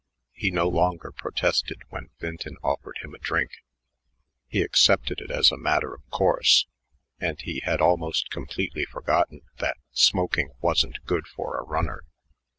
He no longer protested when Vinton offered him a drink; he accepted it as a matter of course, and he had almost completely forgotten that "smoking wasn't good for a runner."